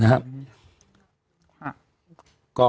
ใช่ครับ